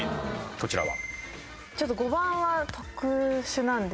こちらは？